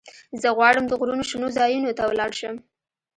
زه غواړم د غرونو شنو ځايونو ته ولاړ شم.